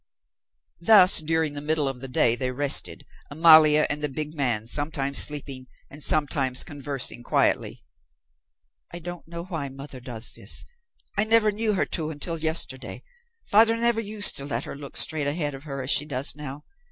Thus during the middle of the day they rested, Amalia and the big man sometimes sleeping and sometimes conversing quietly. "I don't know why mother does this. I never knew her to until yesterday. Father never used to let her look straight ahead of her as she does now.